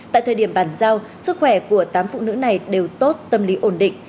tại thời điểm bàn giao sức khỏe của tám phụ nữ này đều tốt tâm lý ổn định